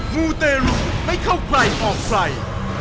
มูตร์เตรียมให้เข้าใครออกใกล้